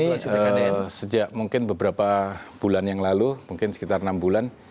ini sejak mungkin beberapa bulan yang lalu mungkin sekitar enam bulan